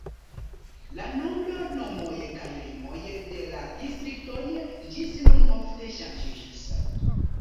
La nombro, nomoj kaj limoj de la distriktoj ĝis nun ofte ŝanĝiĝis.